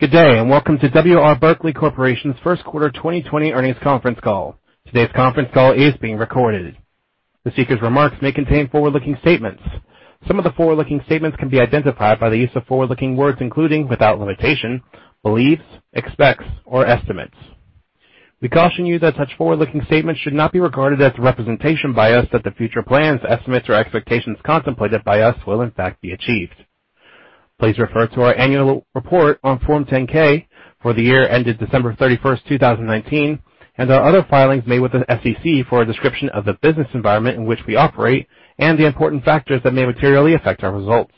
Good day, and welcome to W. R. Berkley Corporation's First Quarter 2020 Earnings Conference Call. Today's conference call is being recorded. The speaker's remarks may contain forward-looking statements. Some of the forward-looking statements can be identified by the use of forward-looking words including, without limitation, believes, expects, or estimates. We caution you that such forward-looking statements should not be regarded as representation by us that the future plans, estimates, or expectations contemplated by us will, in fact, be achieved. Please refer to our annual report on Form 10-K for the year ended December 31st, 2019, and our other filings made with the SEC for a description of the business environment in which we operate and the important factors that may materially affect our results.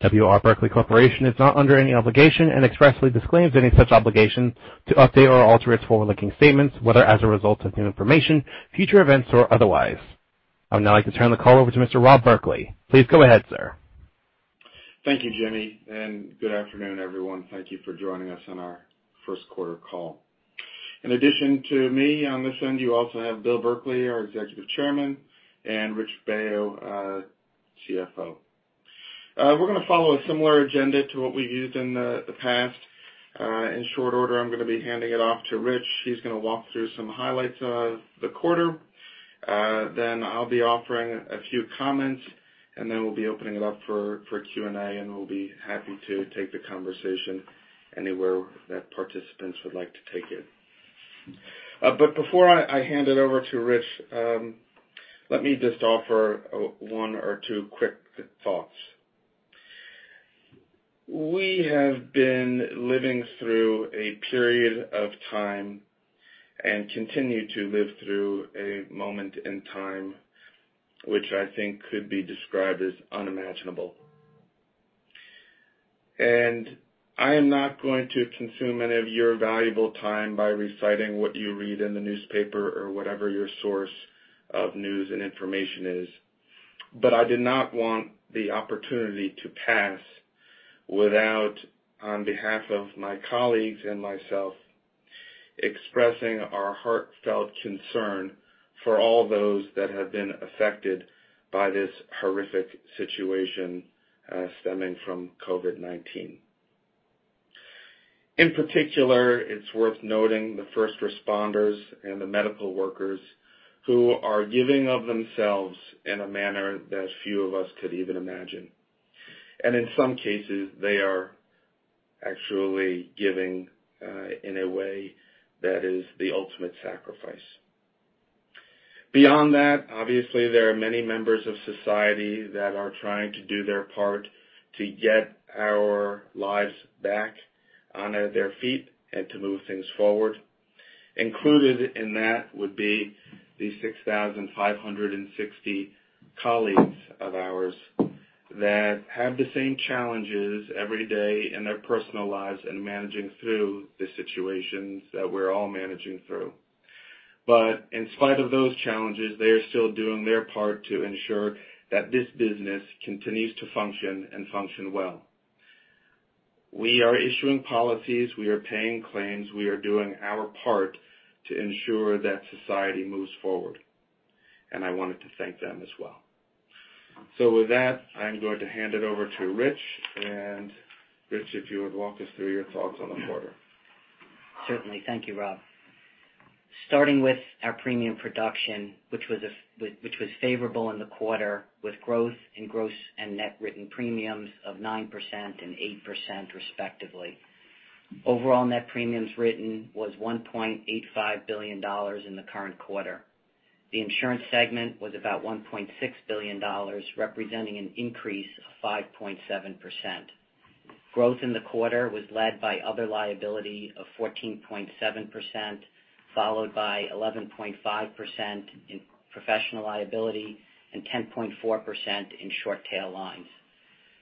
W. R. Berkley Corporation is not under any obligation and expressly disclaims any such obligation to update or alter its forward-looking statements, whether as a result of new information, future events, or otherwise. I would now like to turn the call over to Mr. Rob Berkley. Please go ahead, sir. Thank you, Jimmy, and good afternoon, everyone. Thank you for joining us on our first quarter call. In addition to me on this end, you also have Bill Berkley, our Executive Chairman, and Rich Baio, CFO. We're going to follow a similar agenda to what we've used in the past. In short order, I'm going to be handing it off to Rich. He's going to walk through some highlights of the quarter. Then I'll be offering a few comments, and then we'll be opening it up for Q&A, and we'll be happy to take the conversation anywhere that participants would like to take it. But before I hand it over to Rich, let me just offer one or two quick thoughts. We have been living through a period of time and continue to live through a moment in time which I think could be described as unimaginable. And I am not going to consume any of your valuable time by reciting what you read in the newspaper or whatever your source of news and information is, but I did not want the opportunity to pass without, on behalf of my colleagues and myself, expressing our heartfelt concern for all those that have been affected by this horrific situation stemming from COVID-19. In particular, it's worth noting the first responders and the medical workers who are giving of themselves in a manner that few of us could even imagine. And in some cases, they are actually giving in a way that is the ultimate sacrifice. Beyond that, obviously, there are many members of society that are trying to do their part to get our lives back on their feet and to move things forward. Included in that would be the 6,560 colleagues of ours that have the same challenges every day in their personal lives and managing through the situations that we're all managing through. But in spite of those challenges, they are still doing their part to ensure that this business continues to function and function well. We are issuing policies, we are paying claims, we are doing our part to ensure that society moves forward. And I wanted to thank them as well. So with that, I'm going to hand it over to Rich. And Rich, if you would walk us through your thoughts on the quarter. Certainly. Thank you, Rob. Starting with our premium production, which was favorable in the quarter with growth in gross and net written premiums of 9% and 8%, respectively. Overall net premiums written was $1.85 billion in the current quarter. The insurance segment was about $1.6 billion, representing an increase of 5.7%. Growth in the quarter was led by other liability of 14.7%, followed by 11.5% in professional liability and 10.4% in short tail lines.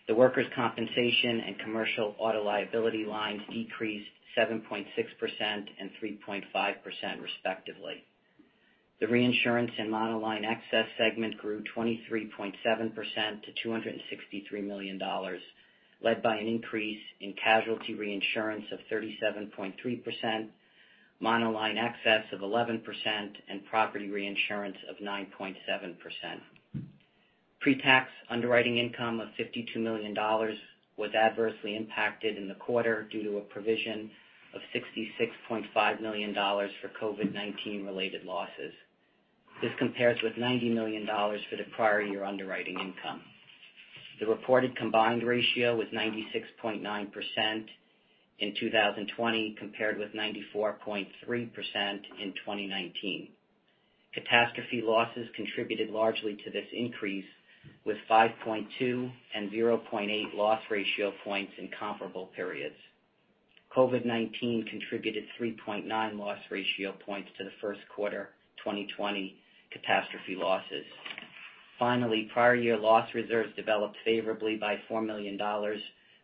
The workers' compensation and commercial auto liability lines decreased 7.6% and 3.5%, respectively. The reinsurance and monoline excess segment grew 23.7% to $263 million, led by an increase in casualty reinsurance of 37.3%, monoline excess of 11%, and property reinsurance of 9.7%. Pre-tax underwriting income of $52 million was adversely impacted in the quarter due to a provision of $66.5 million for COVID-19-related losses. This compares with $90 million for the prior year underwriting income. The reported combined ratio was 96.9% in 2020 compared with 94.3% in 2019. Catastrophe losses contributed largely to this increase with 5.2 and 0.8 loss ratio points in comparable periods. COVID-19 contributed 3.9 loss ratio points to the first quarter 2020 catastrophe losses. Finally, prior year loss reserves developed favorably by $4 million,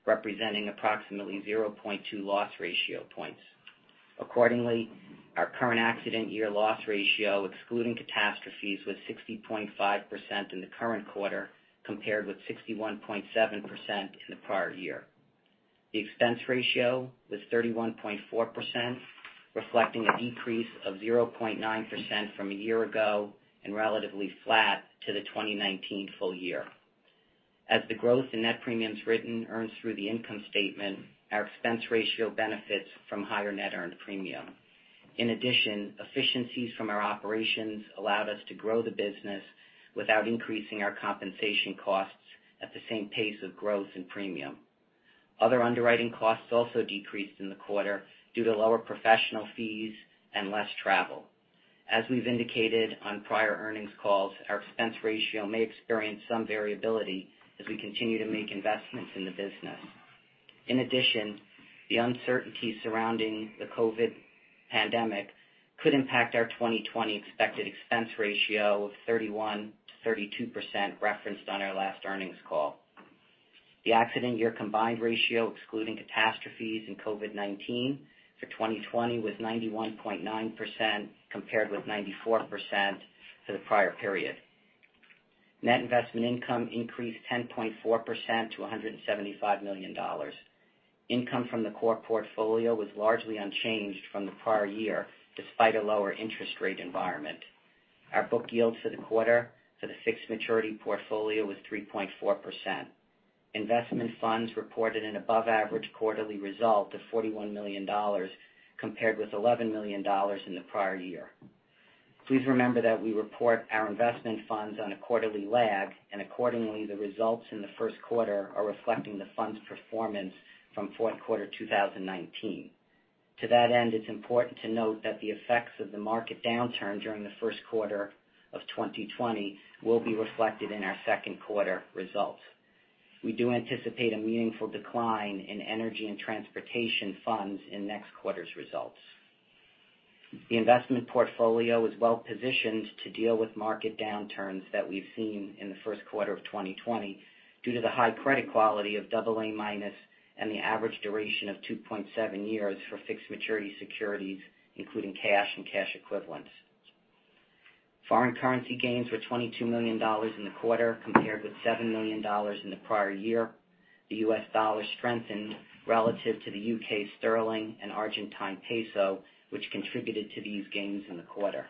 representing approximately 0.2 loss ratio points. Accordingly, our current accident year loss ratio, excluding catastrophes, was 60.5% in the current quarter compared with 61.7% in the prior year. The expense ratio was 31.4%, reflecting a decrease of 0.9% from a year ago and relatively flat to the 2019 full year. As the growth in net premiums written earns through the income statement, our expense ratio benefits from higher net earned premium. In addition, efficiencies from our operations allowed us to grow the business without increasing our compensation costs at the same pace of growth in premium. Other underwriting costs also decreased in the quarter due to lower professional fees and less travel. As we've indicated on prior earnings calls, our expense ratio may experience some variability as we continue to make investments in the business. In addition, the uncertainty surrounding the COVID pandemic could impact our 2020 expected expense ratio of 31%-32% referenced on our last earnings call. The accident year combined ratio, excluding catastrophes and COVID-19 for 2020, was 91.9% compared with 94% for the prior period. Net investment income increased 10.4% to $175 million. Income from the core portfolio was largely unchanged from the prior year despite a lower interest rate environment. Our book yield for the quarter for the fixed maturity portfolio was 3.4%. Investment funds reported an above-average quarterly result of $41 million compared with $11 million in the prior year. Please remember that we report our investment funds on a quarterly lag, and accordingly, the results in the first quarter are reflecting the funds' performance from fourth quarter 2019. To that end, it's important to note that the effects of the market downturn during the first quarter of 2020 will be reflected in our second quarter results. We do anticipate a meaningful decline in energy and transportation funds in next quarter's results. The investment portfolio was well positioned to deal with market downturns that we've seen in the first quarter of 2020 due to the high credit quality of AA- and the average duration of 2.7 years for fixed maturity securities, including cash and cash equivalents. Foreign currency gains were $22 million in the quarter compared with $7 million in the prior year. The US dollar strengthened relative to the UK sterling and Argentine peso, which contributed to these gains in the quarter.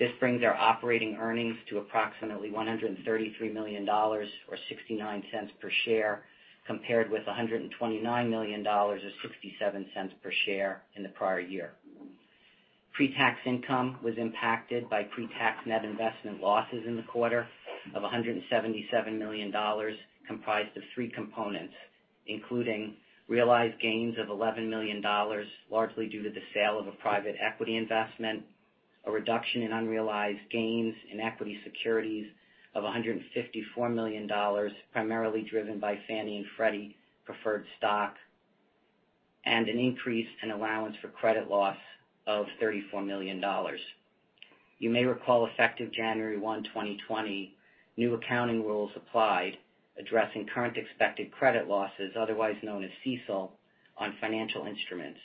This brings our operating earnings to approximately $133 million or $0.69 per share compared with $129 million or $0.67 per share in the prior year. Pre-tax income was impacted by pre-tax net investment losses in the quarter of $177 million, comprised of three components, including realized gains of $11 million, largely due to the sale of a private equity investment, a reduction in unrealized gains in equity securities of $154 million, primarily driven by Fannie and Freddie preferred stock, and an increase in allowance for credit losses of $34 million. You may recall effective January 1, 2020, new accounting rules applied addressing Current Expected Credit Losses, otherwise known as CECL, on financial instruments.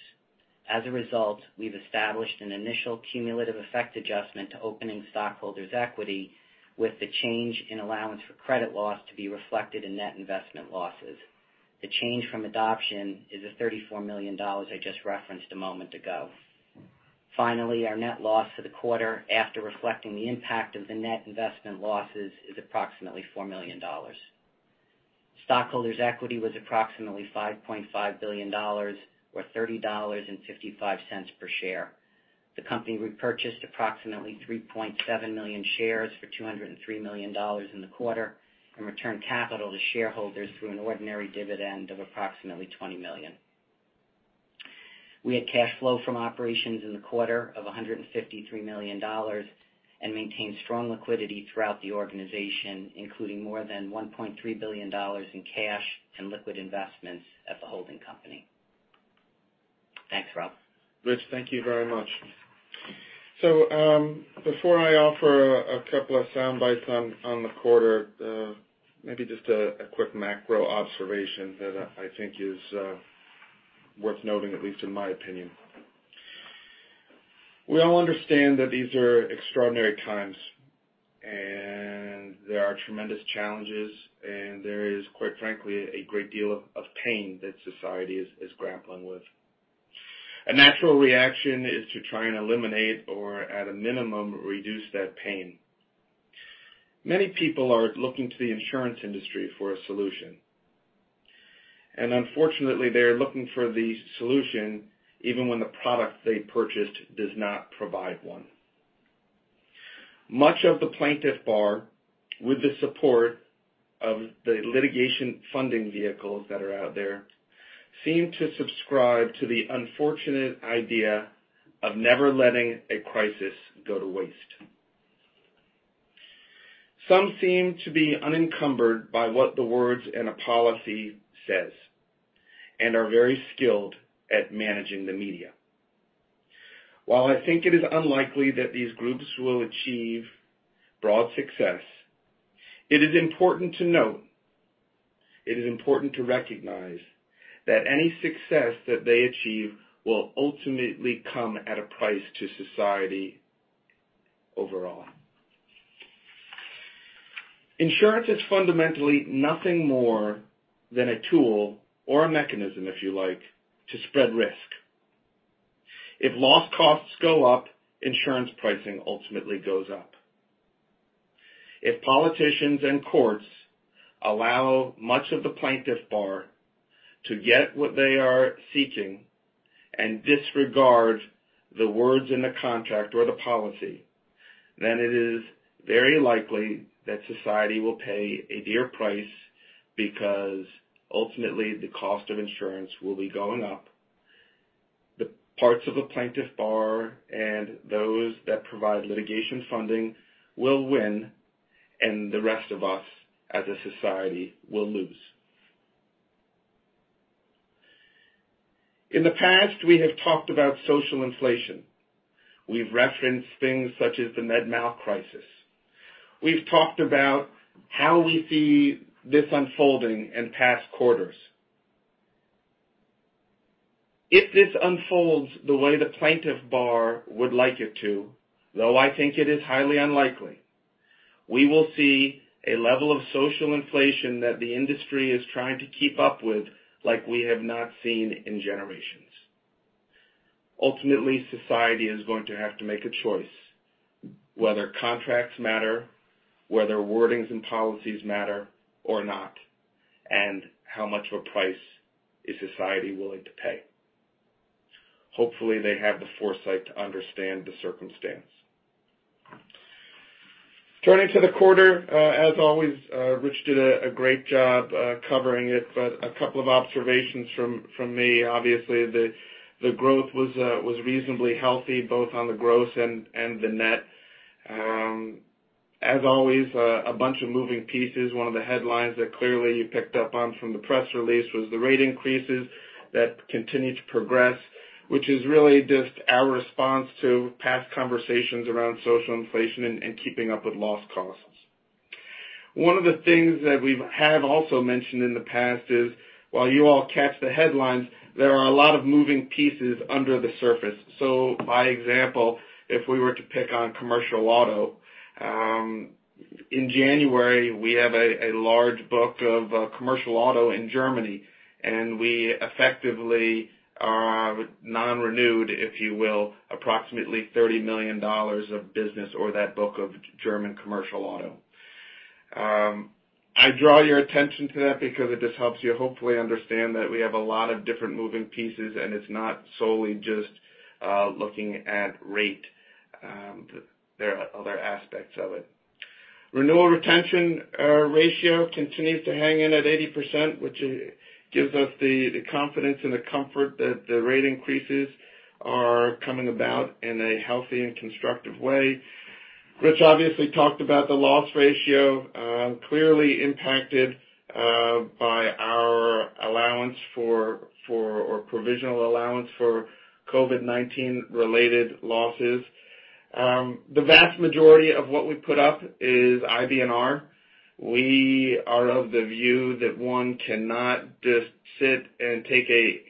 As a result, we've established an initial cumulative effect adjustment to opening stockholders' equity with the change in allowance for credit loss to be reflected in net investment losses. The change from adoption is the $34 million I just referenced a moment ago. Finally, our net loss for the quarter after reflecting the impact of the net investment losses is approximately $4 million. Stockholders' equity was approximately $5.5 billion or $30.55 per share. The company repurchased approximately 3.7 million shares for $203 million in the quarter and returned capital to shareholders through an ordinary dividend of approximately $20 million. We had cash flow from operations in the quarter of $153 million and maintained strong liquidity throughout the organization, including more than $1.3 billion in cash and liquid investments at the holding company. Thanks, Rob. Rich, thank you very much. So before I offer a couple of soundbites on the quarter, maybe just a quick macro observation that I think is worth noting, at least in my opinion. We all understand that these are extraordinary times, and there are tremendous challenges, and there is, quite frankly, a great deal of pain that society is grappling with. A natural reaction is to try and eliminate or, at a minimum, reduce that pain. Many people are looking to the insurance industry for a solution. And unfortunately, they are looking for the solution even when the product they purchased does not provide one. Much of the plaintiff bar, with the support of the litigation funding vehicles that are out there, seem to subscribe to the unfortunate idea of never letting a crisis go to waste. Some seem to be unencumbered by what the words in a policy say and are very skilled at managing the media. While I think it is unlikely that these groups will achieve broad success, it is important to note, it is important to recognize, that any success that they achieve will ultimately come at a price to society overall. Insurance is fundamentally nothing more than a tool or a mechanism, if you like, to spread risk. If loss costs go up, insurance pricing ultimately goes up. If politicians and courts allow much of the plaintiff bar to get what they are seeking and disregard the words in the contract or the policy, then it is very likely that society will pay a dear price because ultimately the cost of insurance will be going up. The parts of the plaintiff bar and those that provide litigation funding will win, and the rest of us as a society will lose. In the past, we have talked about social inflation. We've referenced things such as the med-mal crisis. We've talked about how we see this unfolding in past quarters. If this unfolds the way the plaintiff bar would like it to, though I think it is highly unlikely, we will see a level of social inflation that the industry is trying to keep up with like we have not seen in generations. Ultimately, society is going to have to make a choice whether contracts matter, whether wordings and policies matter or not, and how much of a price is society willing to pay. Hopefully, they have the foresight to understand the circumstance. Turning to the quarter, as always, Rich did a great job covering it, but a couple of observations from me. Obviously, the growth was reasonably healthy both on the gross and the net. As always, a bunch of moving pieces. One of the headlines that clearly you picked up on from the press release was the rate increases that continue to progress, which is really just our response to past conversations around social inflation and keeping up with loss costs. One of the things that we have also mentioned in the past is, while you all catch the headlines, there are a lot of moving pieces under the surface. By example, if we were to pick on commercial auto, in January, we have a large book of commercial auto in Germany, and we effectively are non-renewed, if you will, approximately $30 million of business or that book of German commercial auto. I draw your attention to that because it just helps you hopefully understand that we have a lot of different moving pieces, and it's not solely just looking at rate. There are other aspects of it. Renewal retention ratio continues to hang in at 80%, which gives us the confidence and the comfort that the rate increases are coming about in a healthy and constructive way. Rich obviously talked about the loss ratio, clearly impacted by our allowance for or provisional allowance for COVID-19-related losses. The vast majority of what we put up is IBNR. We are of the view that one cannot just sit and take a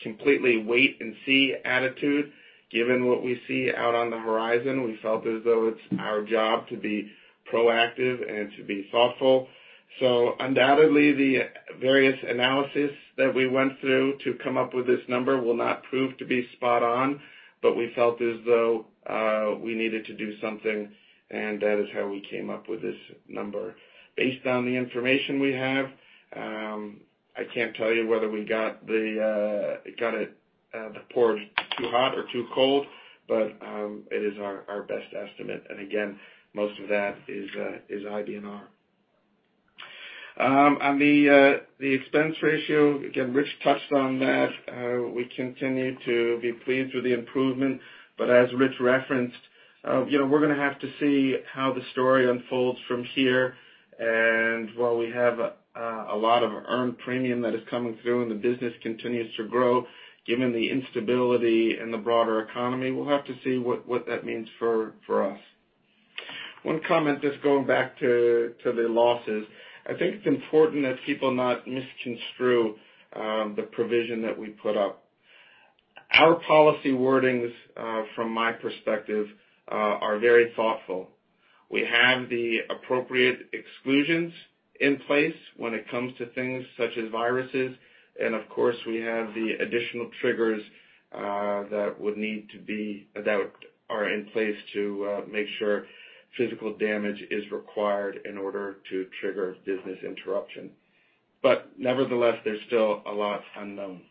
completely wait-and-see attitude. Given what we see out on the horizon, we felt as though it's our job to be proactive and to be thoughtful. So undoubtedly, the various analyses that we went through to come up with this number will not prove to be spot on, but we felt as though we needed to do something, and that is how we came up with this number. Based on the information we have, I can't tell you whether we got the porridge too hot or too cold, but it is our best estimate, and again, most of that is IBNR. On the expense ratio, again, Rich touched on that. We continue to be pleased with the improvement, but as Rich referenced, we're going to have to see how the story unfolds from here. And while we have a lot of earned premium that is coming through and the business continues to grow, given the instability in the broader economy, we'll have to see what that means for us. One comment just going back to the losses, I think it's important that people not misconstrue the provision that we put up. Our policy wordings, from my perspective, are very thoughtful. We have the appropriate exclusions in place when it comes to things such as viruses, and of course, we have the additional triggers that would need to be, that are in place to make sure physical damage is required in order to trigger business interruption. But nevertheless, there's still a lot unknown.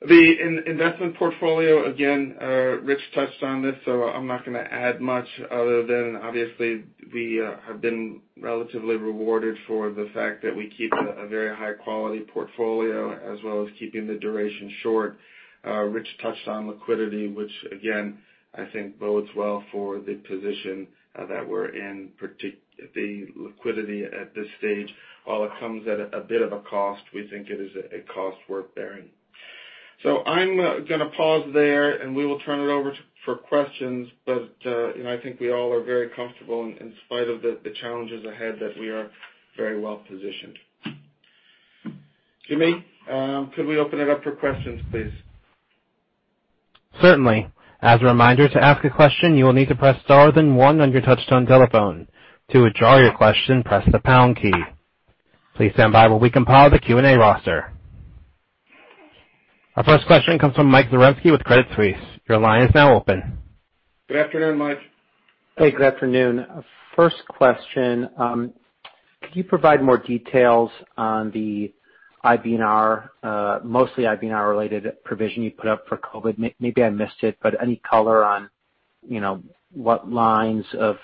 The investment portfolio, again, Rich touched on this, so I'm not going to add much other than obviously we have been relatively rewarded for the fact that we keep a very high-quality portfolio as well as keeping the duration short. Rich touched on liquidity, which again, I think bodes well for the position that we're in, the liquidity at this stage. While it comes at a bit of a cost, we think it is a cost worth bearing. So I'm going to pause there, and we will turn it over for questions, but I think we all are very comfortable in spite of the challenges ahead that we are very well positioned. Jimmy, could we open it up for questions, please? Certainly. As a reminder, to ask a question, you will need to press star then one on your touch-tone telephone. To withdraw your question, press the pound key. Please stand by while we compile the Q&A roster. Our first question comes from Mike Zaremski with Credit Suisse. Your line is now open. Good afternoon, Mike. Hey, good afternoon. First question, could you provide more details on the IBNR, mostly IBNR-related provision you put up for COVID? Maybe I missed it, but any color on what lines of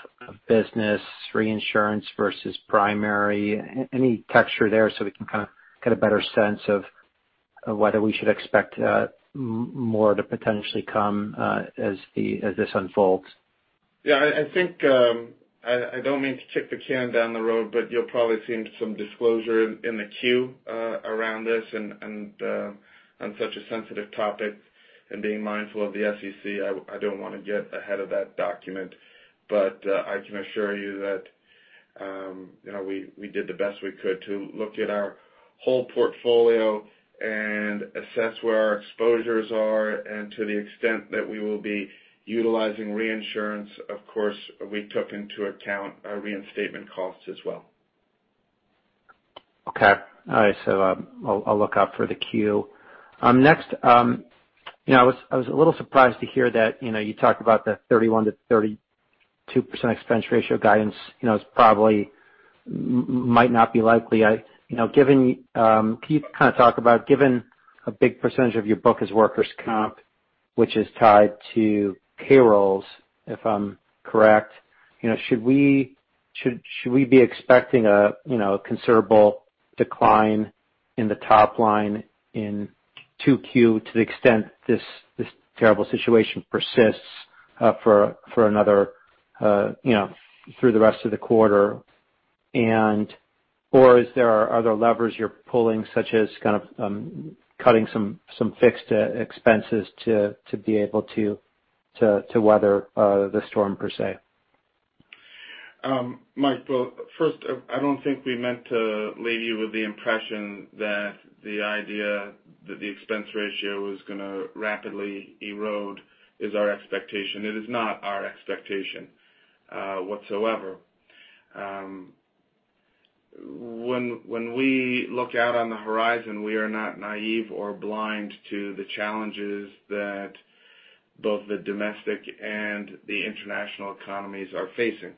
business, reinsurance versus primary, any texture there so we can kind of get a better sense of whether we should expect more to potentially come as this unfolds? Yeah, I think I don't mean to kick the can down the road, but you'll probably see some disclosure in the queue around this and on such a sensitive topic and being mindful of the SEC. I don't want to get ahead of that document, but I can assure you that we did the best we could to look at our whole portfolio and assess where our exposures are and to the extent that we will be utilizing reinsurance. Of course, we took into account our reinstatement costs as well. Okay. All right. So I'll look out for the queue. Next, I was a little surprised to hear that you talked about the 31%-32% expense ratio guidance. It probably might not be likely. Can you kind of talk about given a big percentage of your book is workers' comp, which is tied to payrolls, if I'm correct, should we be expecting a considerable decline in the top line in Q2 to the extent this terrible situation persists for another through the rest of the quarter? Or are there other levers you're pulling, such as kind of cutting some fixed expenses to be able to weather the storm per se? Mike, well, first, I don't think we meant to leave you with the impression that the idea that the expense ratio was going to rapidly erode is our expectation. It is not our expectation whatsoever. When we look out on the horizon, we are not naive or blind to the challenges that both the domestic and the international economies are facing.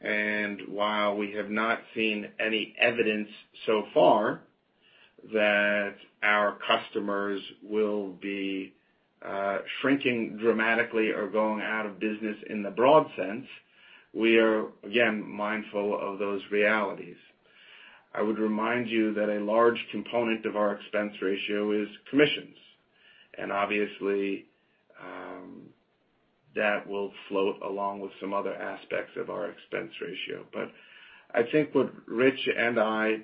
And while we have not seen any evidence so far that our customers will be shrinking dramatically or going out of business in the broad sense, we are, again, mindful of those realities. I would remind you that a large component of our expense ratio is commissions. And obviously, that will float along with some other aspects of our expense ratio. But I think what Rich and I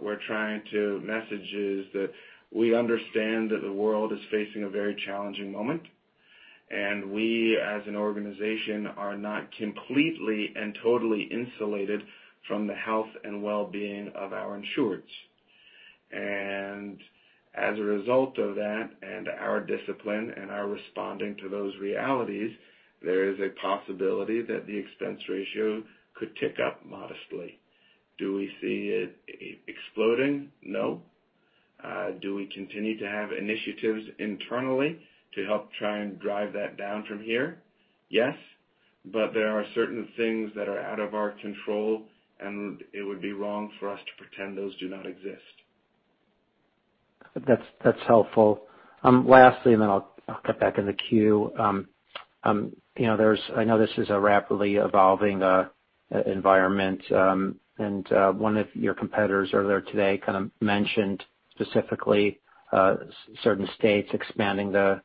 were trying to message is that we understand that the world is facing a very challenging moment, and we, as an organization, are not completely and totally insulated from the health and well-being of our insureds. And as a result of that and our discipline and our responding to those realities, there is a possibility that the expense ratio could tick up modestly. Do we see it exploding? No. Do we continue to have initiatives internally to help try and drive that down from here? Yes. But there are certain things that are out of our control, and it would be wrong for us to pretend those do not exist. That's helpful. Lastly, and then I'll cut back in the queue. I know this is a rapidly evolving environment, and one of your competitors earlier today kind of mentioned specifically certain states expanding the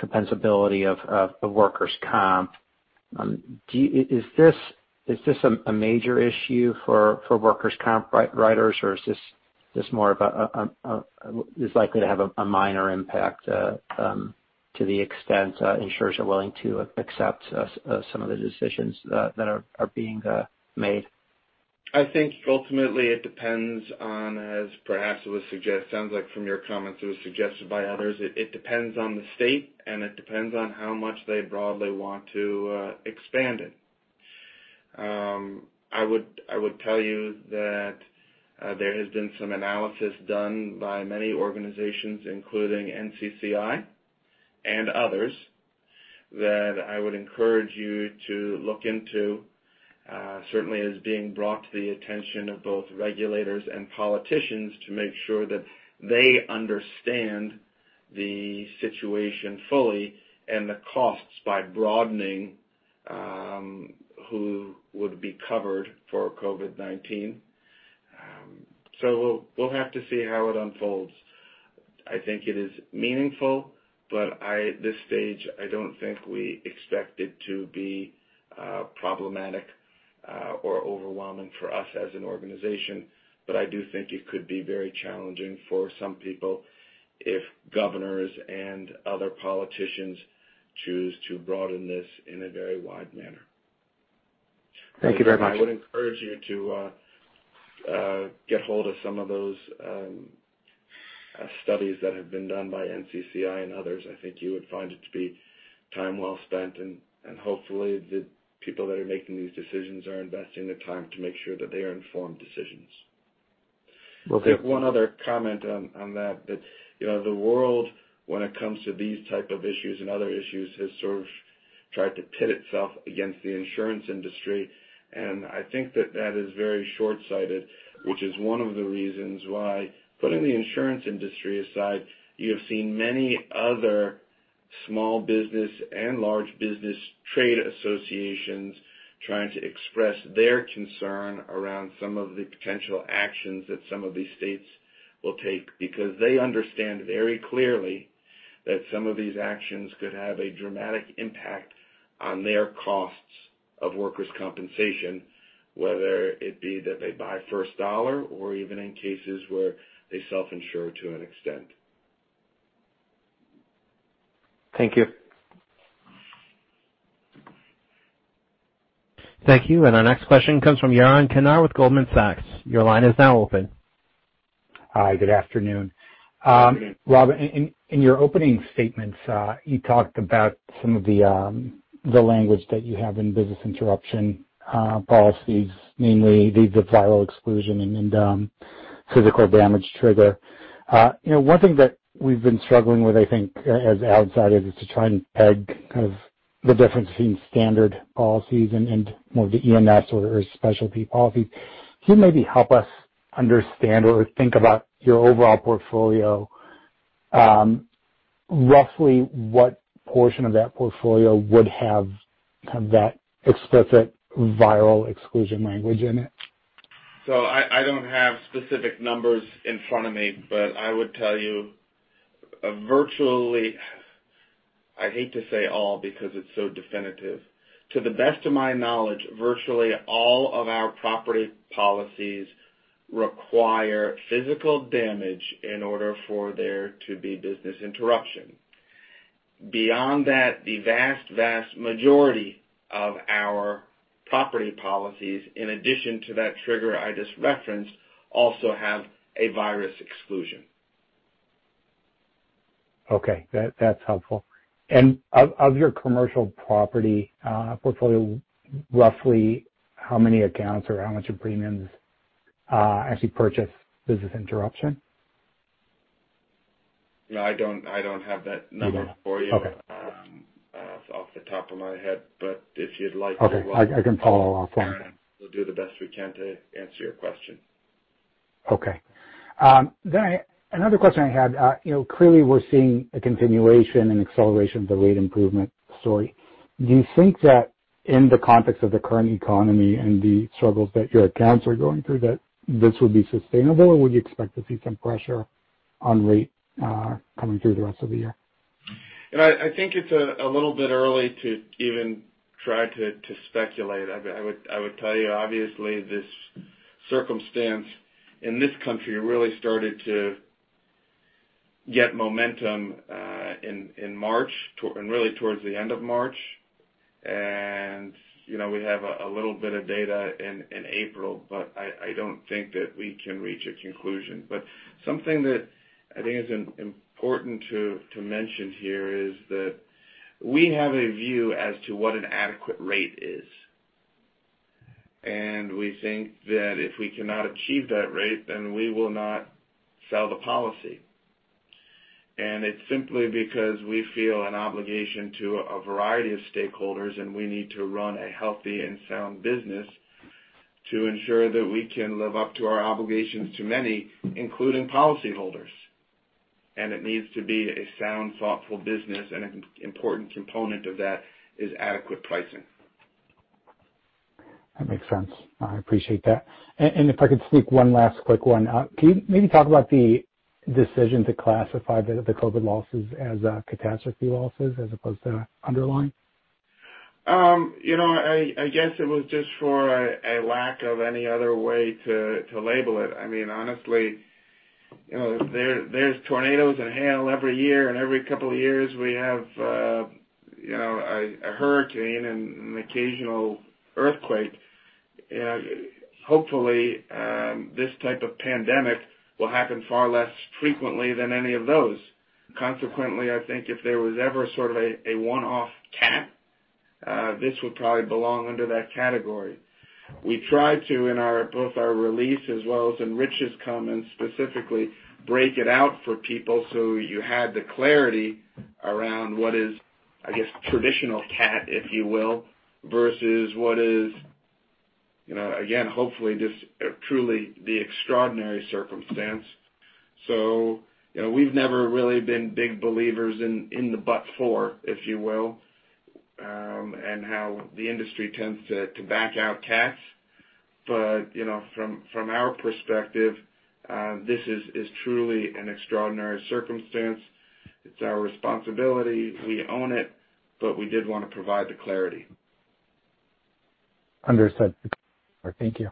compensability of workers' comp. Is this a major issue for workers' comp writers, or is this more likely to have a minor impact to the extent insurers are willing to accept some of the decisions that are being made? I think ultimately it depends on, as perhaps it was suggested, sounds like from your comments it was suggested by others. It depends on the state, and it depends on how much they broadly want to expand it. I would tell you that there has been some analysis done by many organizations, including NCCI and others, that I would encourage you to look into, certainly as being brought to the attention of both regulators and politicians to make sure that they understand the situation fully and the costs by broadening who would be covered for COVID-19. So we'll have to see how it unfolds. I think it is meaningful, but at this stage, I don't think we expect it to be problematic or overwhelming for us as an organization. But I do think it could be very challenging for some people if governors and other politicians choose to broaden this in a very wide manner. I would encourage you to get hold of some of those studies that have been done by NCCI and others. I think you would find it to be time well spent, and hopefully the people that are making these decisions are investing the time to make sure that they are informed decisions. I have one other comment on that, that the world, when it comes to these types of issues and other issues, has sort of tried to pit itself against the insurance industry, and I think that that is very shortsighted, which is one of the reasons why putting the insurance industry aside, you have seen many other small business and large business trade associations trying to express their concern around some of the potential actions that some of these states will take because they understand very clearly that some of these actions could have a dramatic impact on their costs of workers' compensation, whether it be that they buy first dollar or even in cases where they self-insure to an extent. Thank you. Thank you. And our next question comes from Yaron Kinar with Goldman Sachs. Your line is now open. Hi. Good afternoon. Rob, in your opening statements, you talked about some of the language that you have in business interruption policies, namely the viral exclusion and physical damage trigger. One thing that we've been struggling with, I think, as outsiders is to try and peg kind of the difference between standard policies and more of the E&S or specialty policies. Can you maybe help us understand or think about your overall portfolio? Roughly what portion of that portfolio would have kind of that explicit viral exclusion language in it? So I don't have specific numbers in front of me, but I would tell you virtually - I hate to say all because it's so definitive - to the best of my knowledge, virtually all of our property policies require physical damage in order for there to be business interruption. Beyond that, the vast, vast majority of our property policies, in addition to that trigger I just referenced, also have a virus exclusion. Okay. That's helpful, and of your commercial property portfolio, roughly how many accounts or how much of premiums actually purchase business interruption? I don't have that number for you off the top of my head, but if you'd like to. Okay. I can follow up on that. We'll do the best we can to answer your question. Okay. Then another question I had. Clearly, we're seeing a continuation and acceleration of the rate improvement story. Do you think that in the context of the current economy and the struggles that your accounts are going through, that this would be sustainable, or would you expect to see some pressure on rate coming through the rest of the year? I think it's a little bit early to even try to speculate. I would tell you, obviously, this circumstance in this country really started to get momentum in March, really towards the end of March. And we have a little bit of data in April, but I don't think that we can reach a conclusion. But something that I think is important to mention here is that we have a view as to what an adequate rate is. And we think that if we cannot achieve that rate, then we will not sell the policy. And it's simply because we feel an obligation to a variety of stakeholders, and we need to run a healthy and sound business to ensure that we can live up to our obligations to many, including policyholders. And it needs to be a sound, thoughtful business, and an important component of that is adequate pricing. That makes sense. I appreciate that. And if I could sneak one last quick one, can you maybe talk about the decision to classify the COVID losses as catastrophe losses as opposed to underlying? I guess it was just for a lack of any other way to label it. I mean, honestly, there's tornadoes and hail every year, and every couple of years we have a hurricane and an occasional earthquake. Hopefully, this type of pandemic will happen far less frequently than any of those. Consequently, I think if there was ever sort of a one-off CAT, this would probably belong under that category. We tried to, in both our release as well as in Rich's comments specifically, break it out for people so you had the clarity around what is, I guess, traditional CAT, if you will, versus what is, again, hopefully, just truly the extraordinary circumstance. So we've never really been big believers in the but-for, if you will, and how the industry tends to back out CATs. But from our perspective, this is truly an extraordinary circumstance. It's our responsibility. We own it, but we did want to provide the clarity. Understood. Thank you.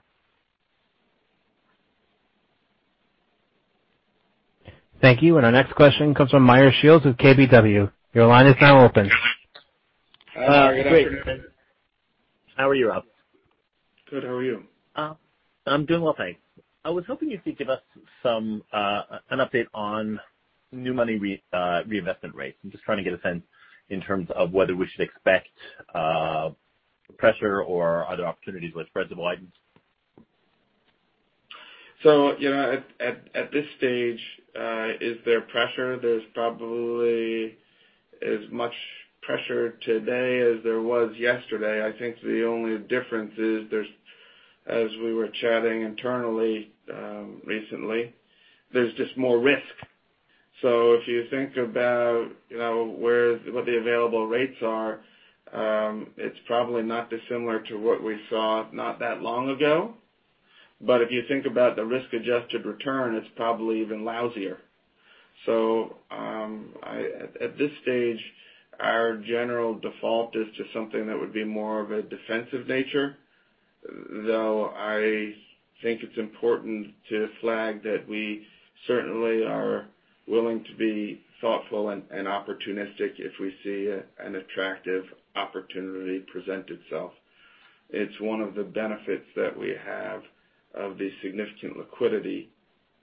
Thank you. And our next question comes from Meyer Shields with KBW. Your line is now open. How are you, Rob? Good. How are you? I'm doing well, thanks. I was hoping you could give us an update on new money reinvestment rates. I'm just trying to get a sense in terms of whether we should expect pressure or other opportunities with spreads of widens. So at this stage, is there pressure? There's probably as much pressure today as there was yesterday. I think the only difference is, as we were chatting internally recently, there's just more risk. So if you think about what the available rates are, it's probably not dissimilar to what we saw not that long ago. But if you think about the risk-adjusted return, it's probably even lousier. So at this stage, our general default is to something that would be more of a defensive nature, though I think it's important to flag that we certainly are willing to be thoughtful and opportunistic if we see an attractive opportunity present itself. It's one of the benefits that we have of the significant liquidity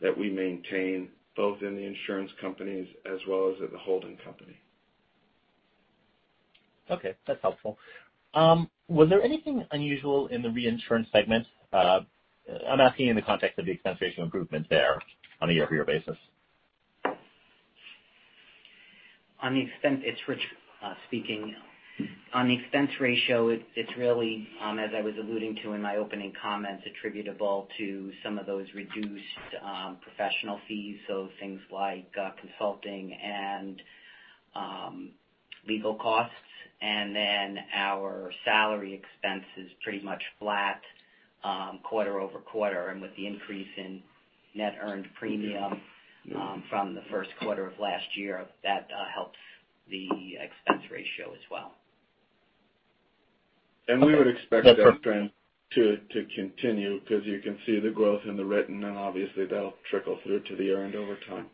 that we maintain both in the insurance companies as well as at the holding company. Okay. That's helpful. Was there anything unusual in the reinsurance segment? I'm asking in the context of the expense ratio improvement there on a year-over-year basis. To the extent it's Rich speaking, on the expense ratio, it's really, as I was alluding to in my opening comments, attributable to some of those reduced professional fees, so things like consulting and legal costs. And then our salary expense is pretty much flat quarter over quarter. And with the increase in net earned premium from the first quarter of last year, that helps the expense ratio as well. We would expect that trend to continue because you can see the growth in the written, and obviously, that'll trickle through to the earned over time.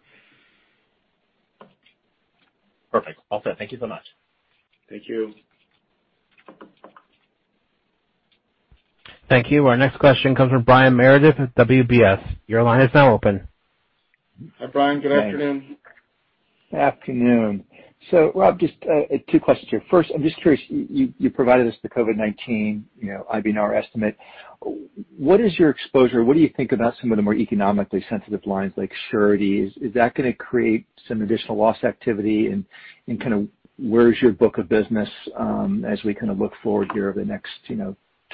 Perfect. All set. Thank you so much. Thank you. Thank you. Our next question comes from Brian Meredith with UBS. Your line is now open. Hi, Brian. Good afternoon. Good afternoon, so Rob, just two questions here. First, I'm just curious. You provided us the COVID-19 IBNR estimate. What is your exposure? What do you think about some of the more economically sensitive lines like sureties? Is that going to create some additional loss activity? And kind of where's your book of business as we kind of look forward here over the next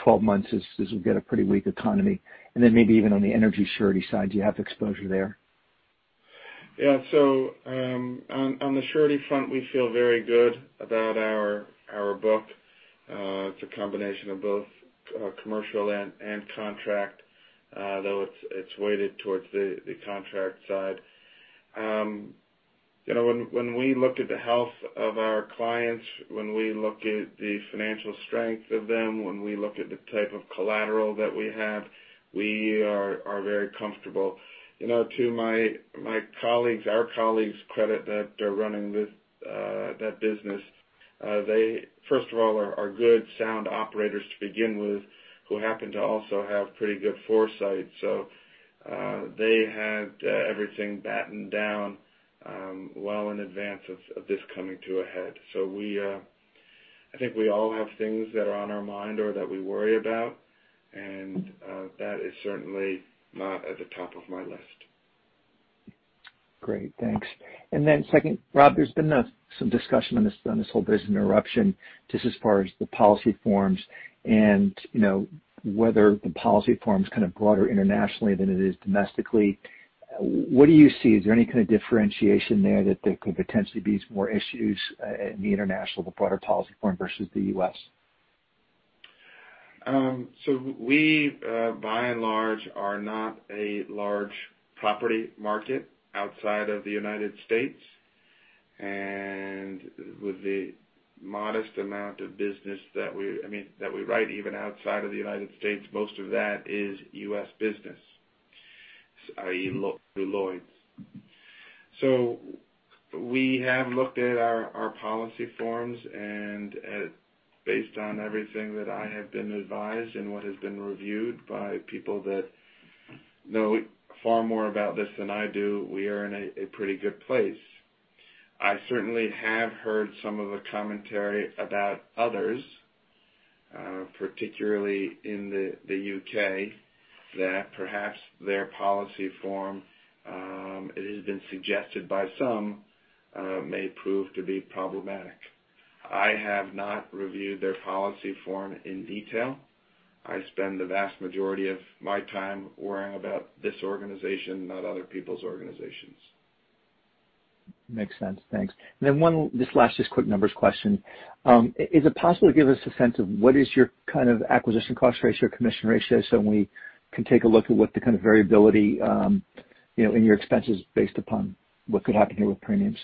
12 months as we get a pretty weak economy? And then maybe even on the energy surety side, do you have exposure there? Yeah. So on the surety front, we feel very good about our book. It's a combination of both commercial and contract, though it's weighted towards the contract side. When we look at the health of our clients, when we look at the financial strength of them, when we look at the type of collateral that we have, we are very comfortable. To my colleagues, our colleagues' credit that they're running that business, they, first of all, are good, sound operators to begin with, who happen to also have pretty good foresight. So they had everything battened down well in advance of this coming to a head. So I think we all have things that are on our mind or that we worry about, and that is certainly not at the top of my list. Great. Thanks. And then second, Rob, there's been some discussion on this whole business interruption just as far as the policy forms and whether the policy forms kind of broader internationally than it is domestically. What do you see? Is there any kind of differentiation there that there could potentially be more issues in the international, the broader policy form versus the U.S.? We, by and large, are not a large property market outside of the United States. With the modest amount of business that we write, even outside of the United States, most of that is U.S. business, i.e. Lloyd's. We have looked at our policy forms, and based on everything that I have been advised and what has been reviewed by people that know far more about this than I do, we are in a pretty good place. I certainly have heard some of the commentary about others, particularly in the U.K., that perhaps their policy form, it has been suggested by some, may prove to be problematic. I have not reviewed their policy form in detail. I spend the vast majority of my time worrying about this organization, not other people's organizations. Makes sense. Thanks. And then this last just quick numbers question. Is it possible to give us a sense of what is your kind of acquisition cost ratio, commission ratio, so we can take a look at what the kind of variability in your expenses based upon what could happen here with premiums?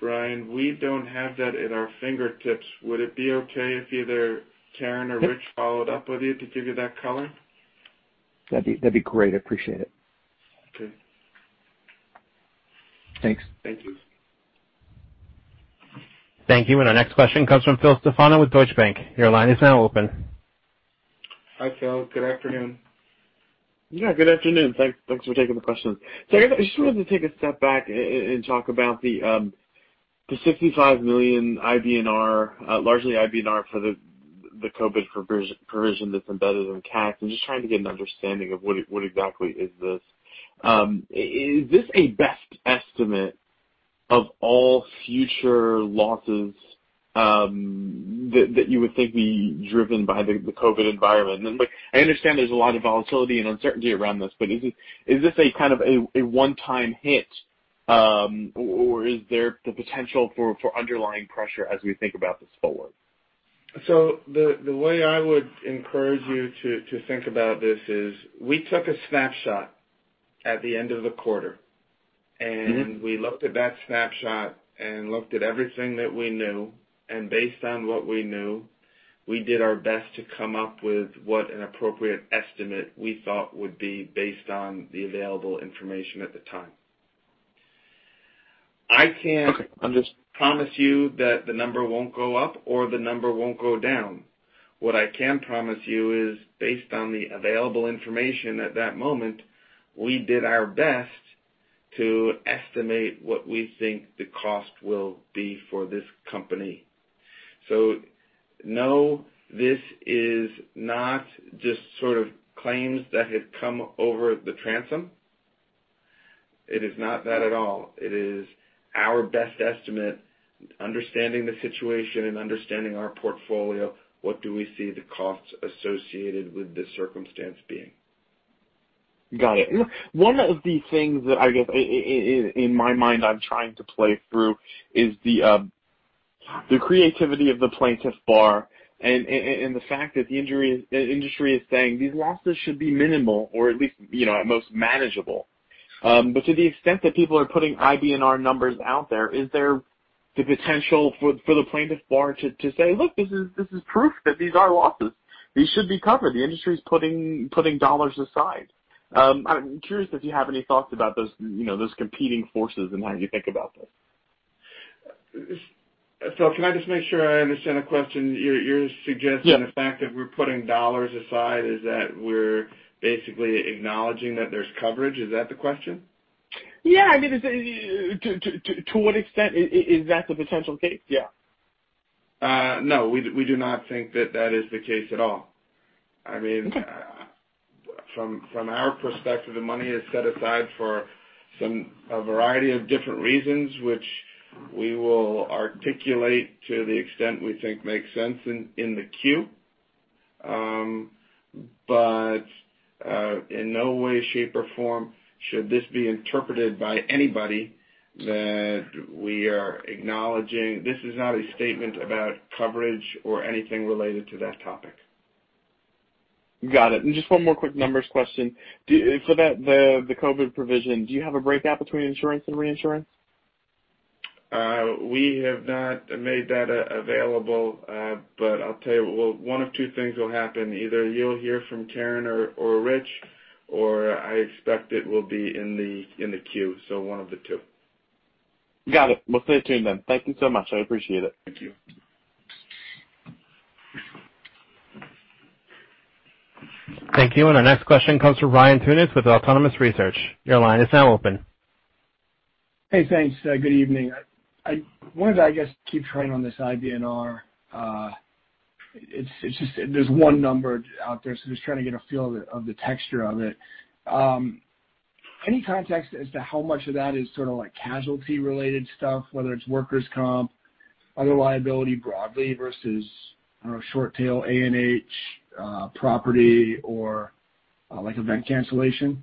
Brian, we don't have that at our fingertips. Would it be okay if either Karen or Rich followed up with you to give you that color? That'd be great. I appreciate it. Okay. Thanks. Thank you. And our next question comes from Phil Stefano with Deutsche Bank. Your line is now open. Hi, Phil. Good afternoon. Yeah. Good afternoon. Thanks for taking the question. So I just wanted to take a step back and talk about the $65 million IBNR, largely IBNR for the COVID provision that's embedded in CATs, and just trying to get an understanding of what exactly is this. Is this a best estimate of all future losses that you would think be driven by the COVID environment? And I understand there's a lot of volatility and uncertainty around this, but is this kind of a one-time hit, or is there the potential for underlying pressure as we think about this forward? So the way I would encourage you to think about this is we took a snapshot at the end of the quarter, and we looked at that snapshot and looked at everything that we knew, and based on what we knew, we did our best to come up with what an appropriate estimate we thought would be based on the available information at the time. I can't promise you that the number won't go up or the number won't go down. What I can promise you is, based on the available information at that moment, we did our best to estimate what we think the cost will be for this company, so no, this is not just sort of claims that had come over the transom. It is not that at all. It is our best estimate, understanding the situation and understanding our portfolio, what do we see the costs associated with this circumstance being? Got it. One of the things that, I guess, in my mind, I'm trying to play through is the creativity of the plaintiff bar and the fact that the industry is saying these losses should be minimal or at least at most manageable. But to the extent that people are putting IBNR numbers out there, is there the potential for the plaintiff bar to say, "Look, this is proof that these are losses. These should be covered. The industry is putting dollars aside." I'm curious if you have any thoughts about those competing forces and how you think about this. So can I just make sure I understand the question? You're suggesting the fact that we're putting dollars aside is that we're basically acknowledging that there's coverage? Is that the question? Yeah. I mean, to what extent is that the potential case? Yeah. No, we do not think that that is the case at all. I mean, from our perspective, the money is set aside for a variety of different reasons, which we will articulate to the extent we think makes sense in the queue. But in no way, shape, or form should this be interpreted by anybody that we are acknowledging this is not a statement about coverage or anything related to that topic. Got it. And just one more quick numbers question. For the COVID provision, do you have a breakout between insurance and reinsurance? We have not made that available, but I'll tell you, well, one of two things will happen. Either you'll hear from Karen or Rich, or I expect it will be in the queue. So one of the two. Got it. We'll stay tuned then. Thank you so much. I appreciate it. Thank you. Thank you. And our next question comes from Ryan Tunis with Autonomous Research. Your line is now open. Hey, thanks. Good evening. I wanted to, I guess, keep track on this IBNR. There's one number out there, so just trying to get a feel of the texture of it. Any context as to how much of that is sort of casualty-related stuff, whether it's workers' comp, other liability broadly versus, I don't know, short tail A&H property or event cancellation?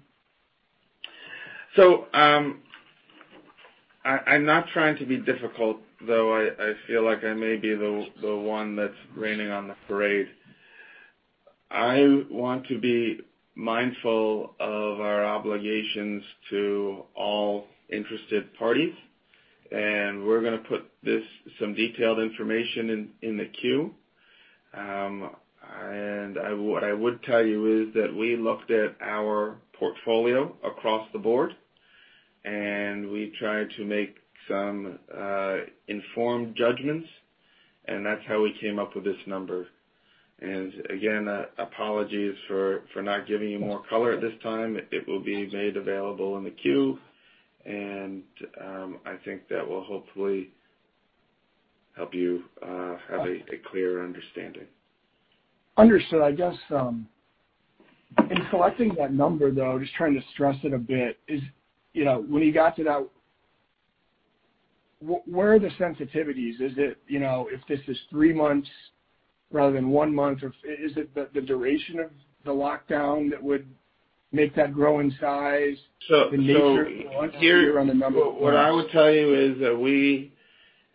I'm not trying to be difficult, though I feel like I may be the one that's raining on the parade. I want to be mindful of our obligations to all interested parties, and we're going to put some detailed information in the queue. What I would tell you is that we looked at our portfolio across the board, and we tried to make some informed judgments, and that's how we came up with this number. Again, apologies for not giving you more color at this time. It will be made available in the queue, and I think that will hopefully help you have a clearer understanding. Understood. I guess in collecting that number, though, just trying to stress it a bit, when you got to that, where are the sensitivities? Is it if this is three months rather than one month? Is it the duration of the lockdown that would make that grow in size, the nature? You're on the number. What I would tell you is that we,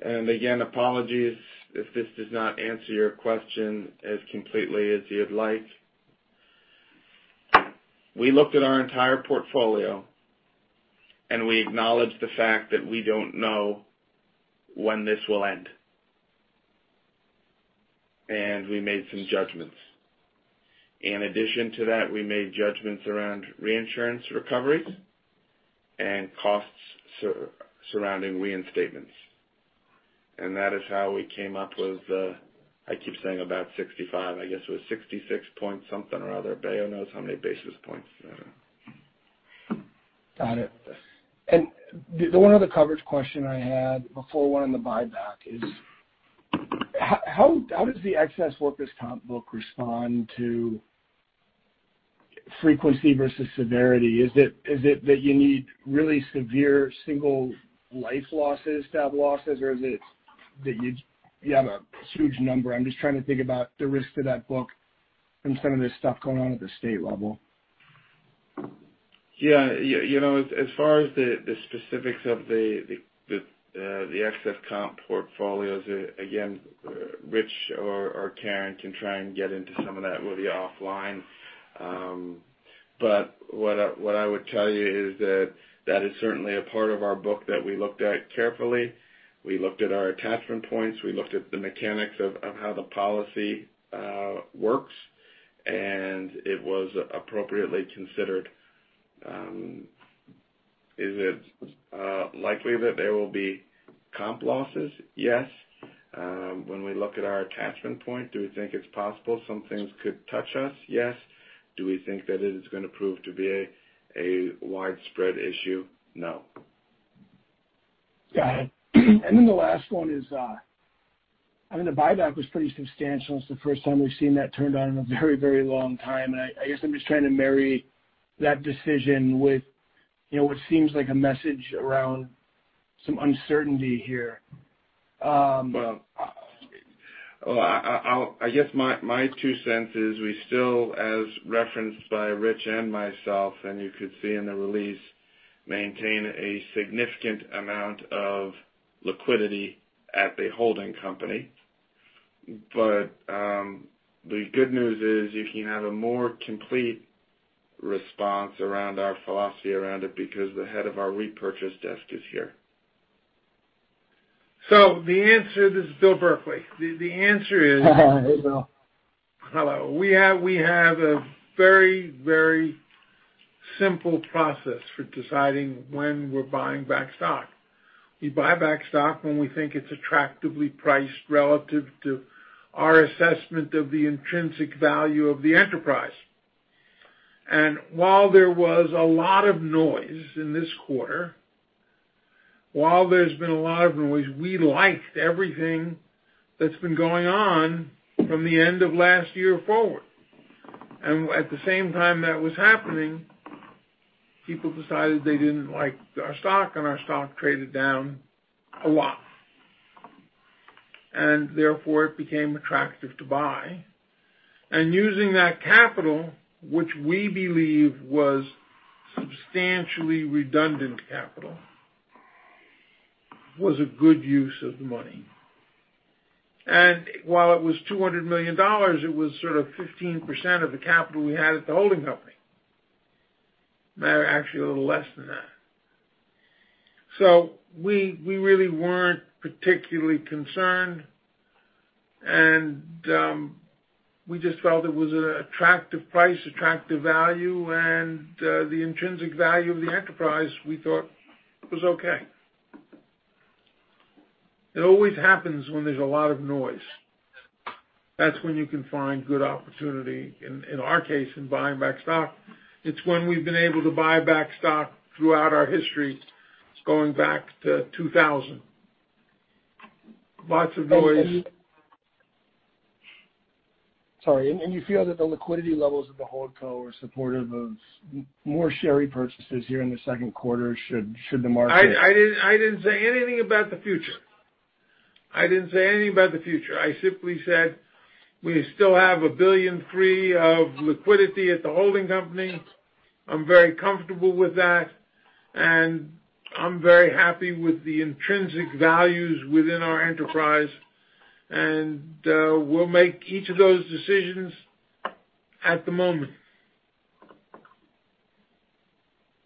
and again, apologies if this does not answer your question as completely as you'd like, we looked at our entire portfolio, and we acknowledged the fact that we don't know when this will end. We made some judgments. In addition to that, we made judgments around reinsurance recoveries and costs surrounding reinstatements. That is how we came up with the, I keep saying about 65. I guess it was 66 points something or other. Baio knows how many basis points. Got it. And one other coverage question I had before one on the buyback is, how does the excess workers' comp book respond to frequency versus severity? Is it that you need really severe single life losses to have losses, or is it that you have a huge number? I'm just trying to think about the risk to that book and some of this stuff going on at the state level. Yeah. As far as the specifics of the excess comp portfolios, again, Rich or Karen can try and get into some of that really offline. But what I would tell you is that that is certainly a part of our book that we looked at carefully. We looked at our attachment points. We looked at the mechanics of how the policy works, and it was appropriately considered. Is it likely that there will be comp losses? Yes. When we look at our attachment point, do we think it's possible some things could touch us? Yes. Do we think that it is going to prove to be a widespread issue? No. Got it. And then the last one is, I mean, the buyback was pretty substantial. It's the first time we've seen that turned on in a very, very long time. And I guess I'm just trying to marry that decision with what seems like a message around some uncertainty here. I guess my two cents is we still, as referenced by Rich and myself, and you could see in the release, maintain a significant amount of liquidity at the holding company. But the good news is you can have a more complete response around our philosophy around it because the head of our repurchase desk is here. So the answer, this is Bill Berkley. The answer is, hello, we have a very, very simple process for deciding when we're buying back stock. We buy back stock when we think it's attractively priced relative to our assessment of the intrinsic value of the enterprise. And while there was a lot of noise in this quarter, while there's been a lot of noise, we liked everything that's been going on from the end of last year forward. And at the same time that was happening, people decided they didn't like our stock, and our stock traded down a lot. And therefore, it became attractive to buy. And using that capital, which we believe was substantially redundant capital, was a good use of the money. And while it was $200 million, it was sort of 15% of the capital we had at the holding company. Actually, a little less than that. So we really weren't particularly concerned, and we just felt it was an attractive price, attractive value, and the intrinsic value of the enterprise, we thought, was okay. It always happens when there's a lot of noise. That's when you can find good opportunity. In our case, in buying back stock, it's when we've been able to buy back stock throughout our history, going back to 2000. Lots of noise. Sorry. And you feel that the liquidity levels of the HoldCo are supportive of more share purchases here in the second quarter should the market? I didn't say anything about the future. I didn't say anything about the future. I simply said we still have $1 billion free of liquidity at the holding company. I'm very comfortable with that, and I'm very happy with the intrinsic values within our enterprise, and we'll make each of those decisions at the moment.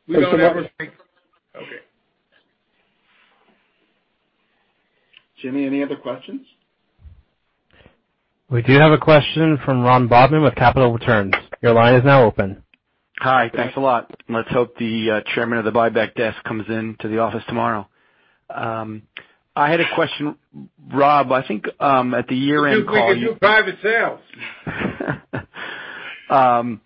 That's okay. We don't ever think. Okay. Jimmy, any other questions? We do have a question from Ron Bobman with Capital Returns. Your line is now open. Hi. Thanks a lot. Let's hope the chairman of the buyback desk comes into the office tomorrow. I had a question, Rob. I think at the year-end call. You calling your private sales. Rob,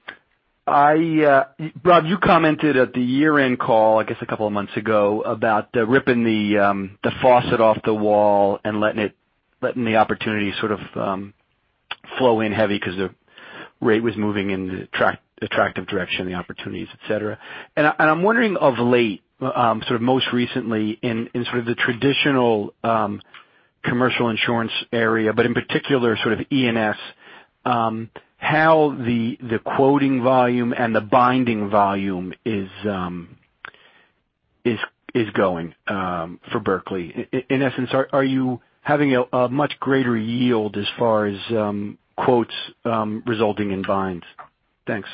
you commented at the year-end call, I guess a couple of months ago, about ripping the faucet off the wall and letting the opportunity sort of flow in heavy because the rate was moving in an attractive direction, the opportunities, etc. And I'm wondering of late, sort of most recently, in sort of the traditional commercial insurance area, but in particular, sort of E&S, how the quoting volume and the binding volume is going for Berkley. In essence, are you having a much greater yield as far as quotes resulting in binds? Thanks.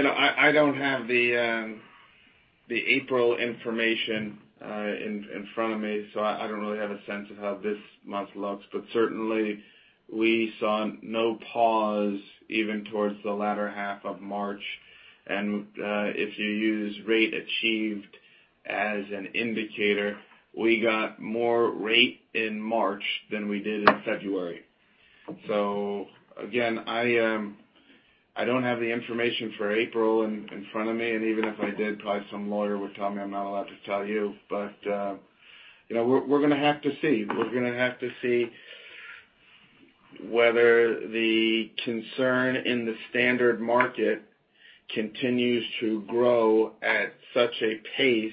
I don't have the April information in front of me, so I don't really have a sense of how this month looks, but certainly, we saw no pause even towards the latter half of March, and if you use rate achieved as an indicator, we got more rate in March than we did in February, so again, I don't have the information for April in front of me, and even if I did, probably some lawyer would tell me, "I'm not allowed to tell you," but we're going to have to see. We're going to have to see whether the concern in the standard market continues to grow at such a pace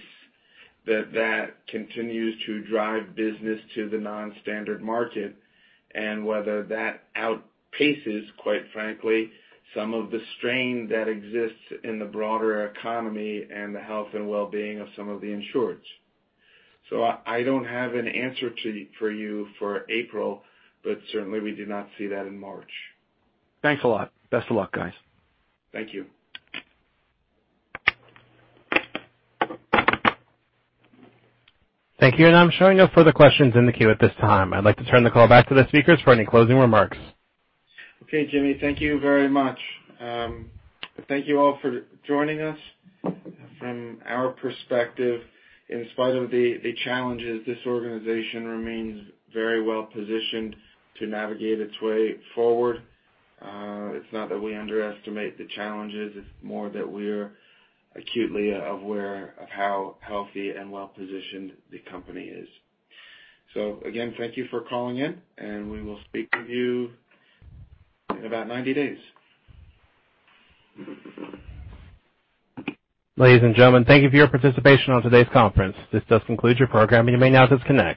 that that continues to drive business to the non-standard market and whether that outpaces, quite frankly, some of the strain that exists in the broader economy and the health and well-being of some of the insureds. So, I don't have an answer for you for April, but certainly, we do not see that in March. Thanks a lot. Best of luck, guys. Thank you. Thank you. And I'm showing no further questions in the queue at this time. I'd like to turn the call back to the speakers for any closing remarks. Okay, Jimmy, thank you very much. Thank you all for joining us. From our perspective, in spite of the challenges, this organization remains very well positioned to navigate its way forward. It's not that we underestimate the challenges. It's more that we're acutely aware of how healthy and well-positioned the company is. So again, thank you for calling in, and we will speak with you in about 90 days. Ladies and gentlemen, thank you for your participation on today's conference. This does conclude your program, and you may now disconnect.